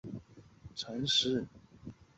格尔木是新兴的一座资源开发型的工业城市。